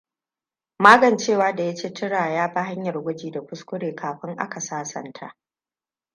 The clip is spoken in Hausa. Magancewa da ya ci tura ya bi hanya gwaji da kuskure kafin akan sasanta.